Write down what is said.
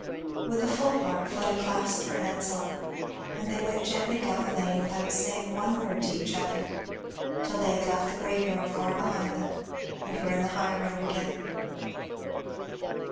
With a full heart Fleda clasped her aunt's arm, and they went gently down the lane without saying one word to each other, till they had left the graveyard far behind them and were in the high road again.